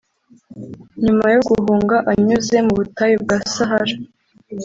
nyuma yo guhunga anyuze mu butayu bwa Sahara